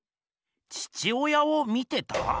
父親を見てた？